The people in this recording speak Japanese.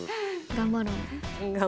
頑張ろうね。